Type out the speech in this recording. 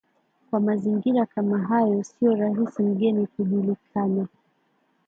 Kwa mazingira kama hayo sio rahisi mgeni kujulikana